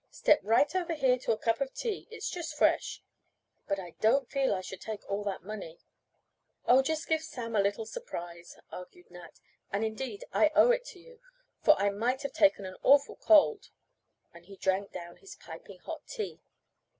"Step right over here to a cup of tea, it's just fresh. But I don't feel I should take all that money." "Oh, just to give Sam a little surprise," argued Nat, "and indeed, I owe it to you, for I might have taken an awful cold," and he drank down his "piping" hot tea.